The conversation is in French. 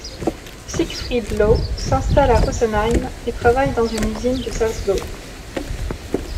Siegfried Löw s'installe à Rosenheim et travaille dans une usine de Salzbourg.